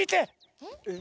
えっ？